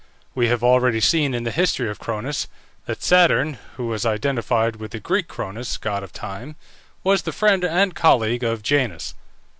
We have already seen in the history of Cronus that Saturn, who was identified with the Greek Cronus (god of time), was the friend and colleague of Janus.